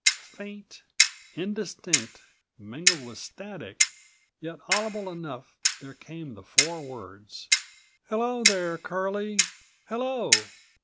Faint, indistinct, mingled with static, yet audible enough, there came the four words: "Hello there, Curlie! Hello!"